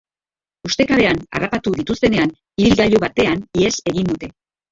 Ustekabean harrapatu dituztenean, ibilgailu batean ihes egin dute.